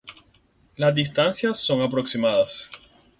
Las Distancias son aproximadas:.